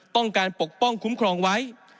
ต้องการปกป้องคุ้มครองไว้